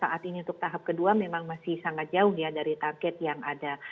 saat ini untuk tahap kedua memang masih sangat jauh ya dari target yang ada